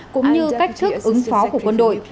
cũng như cách thức ứng phó của quân đội